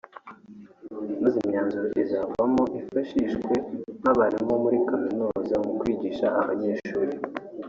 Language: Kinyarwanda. maze imyanzuro izavamo izifashishwe n’abarimu bo muri Kaminuza mu kwigisha abanyeshuri